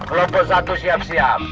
kelompok satu siap siap